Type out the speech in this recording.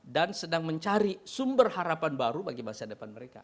dan sedang mencari sumber harapan baru bagi masa depan mereka